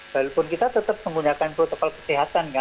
walaupun kita tetap menggunakan protokol kesehatan kan